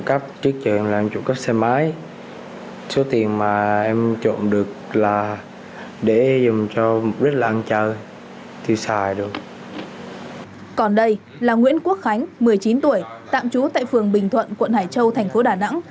còn đây là nguyễn quốc khánh một mươi chín tuổi tạm trú tại phường bình thuận quận hải châu thành phố đà nẵng